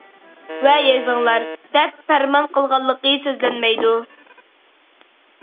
ۋە يېزىڭلار، دەپ پەرمان قىلغانلىقى سۆزلەنمەيدۇ.